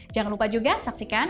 jangan lupa juga saksikan